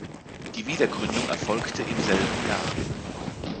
Die Wiedergründung erfolgte im selben Jahr.